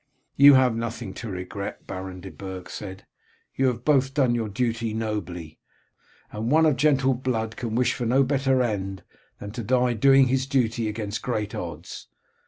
"You have nothing to regret," Baron de Burg said. "You have both done your duty nobly, and one of gentle blood can wish for no better end than to die doing his duty against great odds.